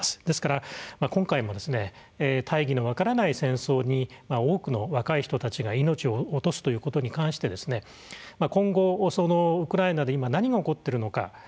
ですから今回も大義の分からない戦争に多くの若い人たちが命を落とすということに関して今後ウクライナで今何が起こっているのか。